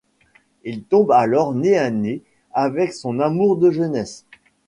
Il tombe alors nez à nez avec son amour de jeunesse...